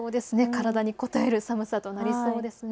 体にこたえる寒さとなりそうです。